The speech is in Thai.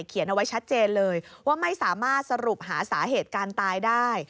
เขียนเอาไว้ชัดเจนเลยว่าไม่สามารถสรุปหาสาเหตุการตายได้